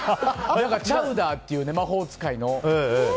チャウダーっていう魔法使いの。